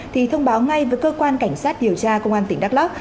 thì thông báo ngay với cơ quan cảnh sát điều tra công an tỉnh đắk lóc